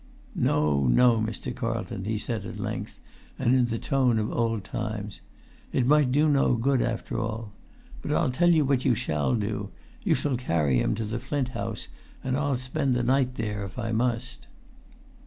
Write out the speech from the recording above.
"No, no, Mr. Carlton," he said at length, and in the tone of old times. "It might do no good, after all. But I'll tell you what you shall do: you shall carry him to the Flint House, and I'll spend the night there if I must."